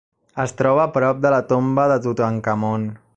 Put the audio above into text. Es troba a prop de la tomba de Tutankamon.